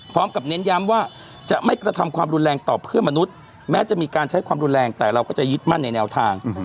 เน้นย้ำว่าจะไม่กระทำความรุนแรงต่อเพื่อนมนุษย์แม้จะมีการใช้ความรุนแรงแต่เราก็จะยึดมั่นในแนวทาง